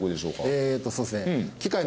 えっとそうですね